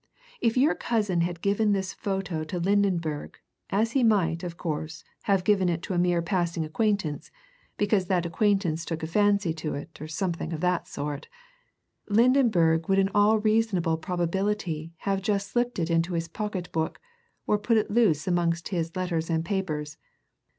If your cousin had given this photo to Lydenberg, as he might, of course, have given it to a mere passing acquaintance, because that acquaintance took a fancy to it, or something of that sort, Lydenberg would in all reasonable probability have just slipped in into his pocket book, or put it loose amongst his letters and papers.